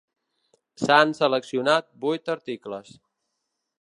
S'han seleccionat vuit articles.